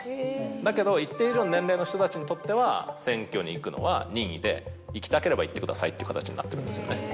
だけど一定以上の年齢の人たちにとっては選挙に行くのは任意で行きたければ行ってくださいっていう形になってるんですよね。